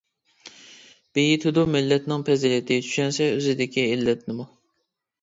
بېيىتىدۇ مىللەتنىڭ پەزىلىتى، چۈشەنسە ئۆزىدىكى ئىللەتنىمۇ.